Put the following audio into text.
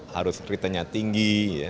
harus return nya tinggi